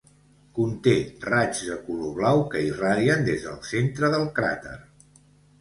Conté raigs de color blau que irradien des del centre del cràter.